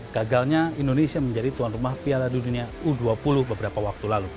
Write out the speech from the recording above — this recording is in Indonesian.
gagalnya indonesia menjadi tuan rumah piala dunia u dua puluh beberapa waktu lalu